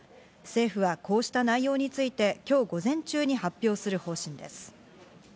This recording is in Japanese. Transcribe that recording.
政府はこうした内容について今日、午前中に発表する方針です。